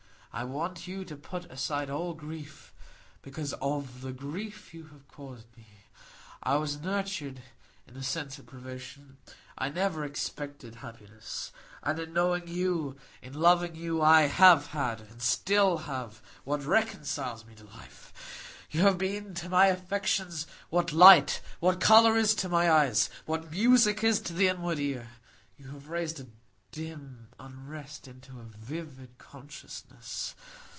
I want you to put aside all grief because of the grief you have caused me. I was nurtured in the sense of privation; I never expected happiness; and in knowing you, in loving you, I have had, and still have, what reconciles me to life. You have been to my affections what light, what colour is to my eyes, what music is to the inward ear, you have raised a dim unrest into a vivid consciousness.